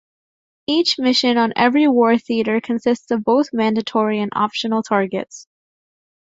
Each mission on every war theatre consists of both mandatory and optional targets.